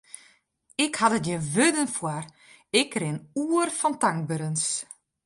Ik ha der gjin wurden foar, ik rin oer fan tankberens.